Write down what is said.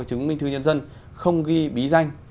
chứng minh thư nhân dân không ghi bí danh